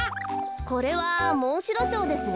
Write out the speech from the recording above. これはモンシロチョウですね。